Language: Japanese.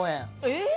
えっ！